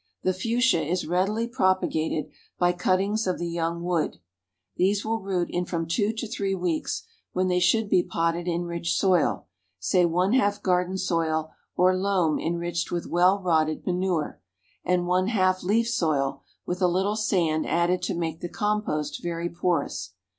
The Fuchsia is readily propagated by cuttings of the young wood. These will root in from two to three weeks, when they should be potted in rich soil, say one half garden soil or loam enriched with well rotted manure, and one half leaf soil, with a little sand added to make the compost very porous.